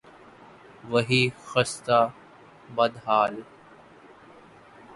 وہی خستہ، بد حال